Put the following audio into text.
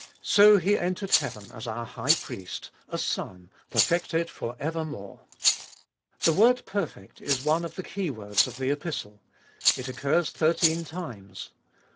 So he entered heaven as our High Priest, a Son, perfected for evermore. The word perfect is one of the keywords of the Epistle. It occurs thirteen times.